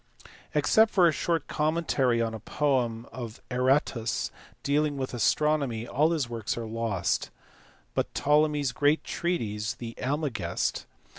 Except for a short commentary on a poem of Aratus dealing with astronomy all his works are lost, but Ptolemy s great treatise, the Almagest (see below, pp.